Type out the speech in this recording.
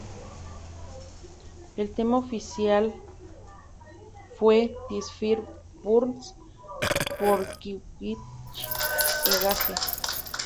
El tema oficial fue ""This Fire Burns"" por Killswitch Engage.